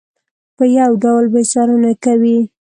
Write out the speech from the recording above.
په یو ډول به یې څارنه کوي.